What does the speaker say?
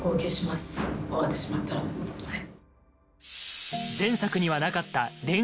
終わってしまったらはい。